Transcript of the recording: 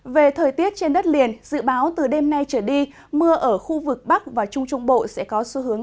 về thời tiết trên đất liền dự báo từ đêm nay trở đi mưa ở khu vực bắc và trung trung bộ